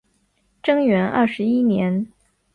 贞元二十一年